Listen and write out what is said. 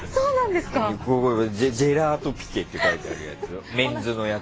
ジェラートピケって書いてあるやつ。